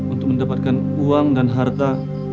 untuk mendapatkan uang dan harta